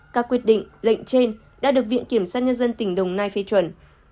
các quyết định lệnh trên đã được viện kiểm sát nhân dân tỉnh đồng nai phê chuẩn